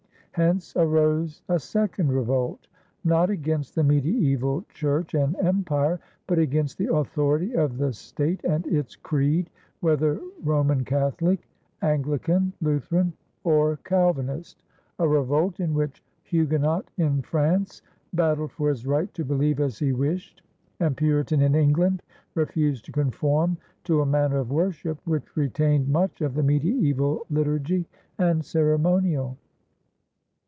Hence arose a second revolt, not against the mediæval church and empire but against the authority of the state and its creed, whether Roman Catholic, Anglican, Lutheran, or Calvinist, a revolt in which Huguenot in France battled for his right to believe as he wished, and Puritan in England refused to conform to a manner of worship which retained much of the mediæval liturgy and ceremonial.